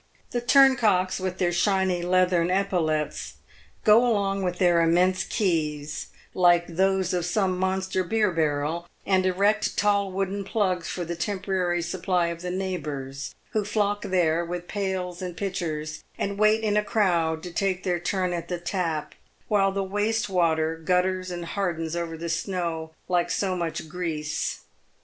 The turn cocks, with their shiny leathern epaulets, go along with their immense keys, like those of some monster beer barrel, and erect tall wooden plugs for the temporary supply of the neighbours, who flock there with pails and pitchers, and wait in a crowd to take their turn at the tap, while the waste water gutters and hardens over the snow like so much grease.